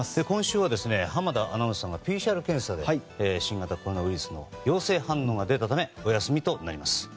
今週は濱田アナウンサーがＰＣＲ検査で新型コロナウイルスの陽性反応が出たためお休みとなります。